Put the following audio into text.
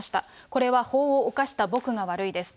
これは法を犯した僕が悪いです。